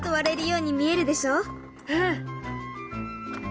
うん。